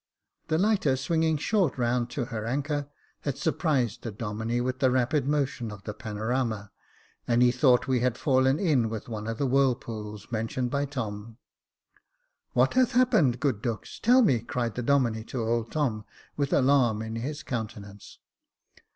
'' The lighter swinging short round to her anchor, had surprised the Domine with the rapid motion of the panorama, and he thought we had fallen in with one of the whirlpools mentioned by Tom. " What has happened, good Dux ? tell me," cried the Domine to old Tom, with alarm in his countenance.